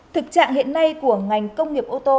thực trạng hiện nay của ngành công nghiệp ô tô